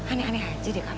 aneh aneh aja dia kamu